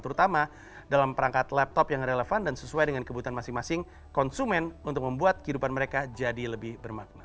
terutama dalam perangkat laptop yang relevan dan sesuai dengan kebutuhan masing masing konsumen untuk membuat kehidupan mereka jadi lebih bermakna